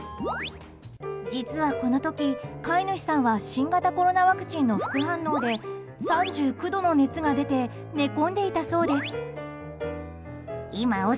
実はこの時、飼い主さんは新型コロナワクチンの副反応で３９度の熱が出て寝込んでいたそうです。